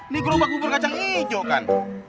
ini gerobak bubur kacang hijau kan